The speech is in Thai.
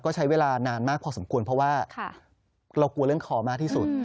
ก็ใช้เวลานานมากพอสมควรเพราะว่าเรากลัวเรื่องคอมากที่สุด